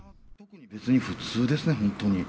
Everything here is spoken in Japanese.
別に普通ですね、本当に。